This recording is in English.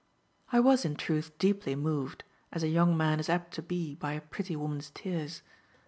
I was, in truth, deeply moved, as a young man is apt to be by a pretty woman's tears.